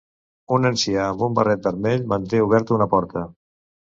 Un ancià amb un barret vermell manté oberta una porta